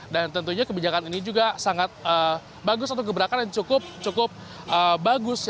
dan tentunya kebijakan ini juga sangat bagus atau gebrakan dan cukup bagus